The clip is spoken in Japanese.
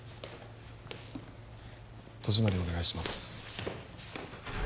戸締まりお願いします